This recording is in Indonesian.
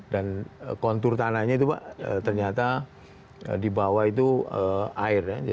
dan kontur tanahnya itu pak ternyata di bawah itu air ya